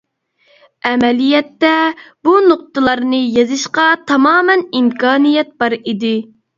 ئەمەلىيەتتە، بۇ نۇقتىلارنى يېزىشقا تامامەن ئىمكانىيەت بار ئىدى.